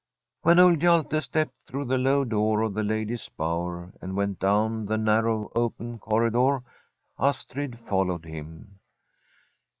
When old Hjalte stepped through the low door of the Ladies' Bower, and went down the nar row open corridor, Astrid followed him.